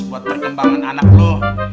buat perkembangan anak lo